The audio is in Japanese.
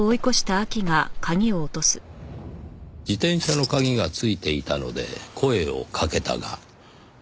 自転車の鍵が付いていたので声をかけたが。